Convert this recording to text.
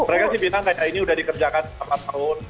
mereka sih bilang ini sudah dikerjakan empat tahun